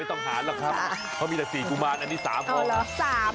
ต้องหารหรอกครับเขามีแต่๔กุมารอันนี้๓คน